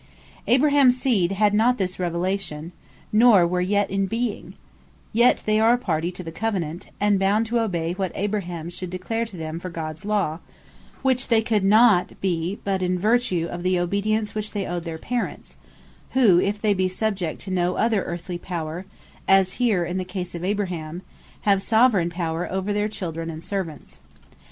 Abrahams Seed had not this revelation, nor were yet in being; yet they are a party to the Covenant, and bound to obey what Abraham should declare to them for Gods Law; which they could not be, but in vertue of the obedience they owed to their Parents; who (if they be Subject to no other earthly power, as here in the case of Abraham) have Soveraign power over their children, and servants.